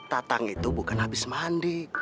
tatang itu bukan habis mandi